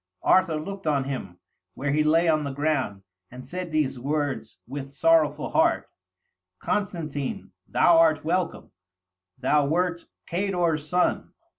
Arthur looked on him, where he lay on the ground, and said these words, with sorrowful heart: 'Constantine, thou art welcome; thou wert Cador's son.